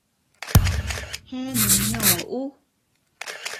Jee nunñoo uu.